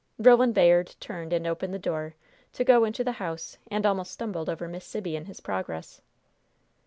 Roland Bayard turned and opened the door, to go into the house, and almost stumbled over Miss Sibby in his progress.